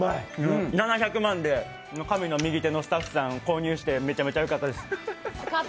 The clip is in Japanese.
７００万で神の右手のスタッフさん、購入してよかったです。